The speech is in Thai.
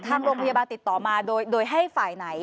ทางโรงพยาบาลติดต่อมาโดยให้ฝ่ายไหน